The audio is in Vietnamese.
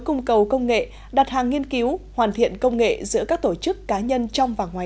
cung cầu công nghệ đặt hàng nghiên cứu hoàn thiện công nghệ giữa các tổ chức cá nhân trong và ngoài